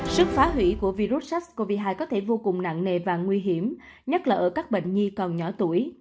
sức phá hủy của virus sars cov hai có thể vô cùng nặng nề và nguy hiểm nhất là ở các bệnh nhi còn nhỏ tuổi